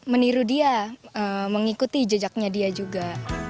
meniru dia mengikuti jejaknya dia juga